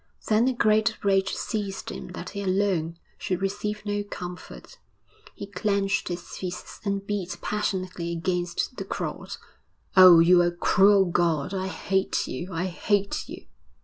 Then a great rage seized him that he alone should receive no comfort. He clenched his fists and beat passionately against the cross. 'Oh, you are a cruel God! I hate you, I hate you!'